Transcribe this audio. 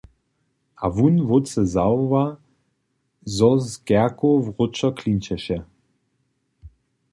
A wón wótře zawoła, zo z kerkow wróćo klinčeše.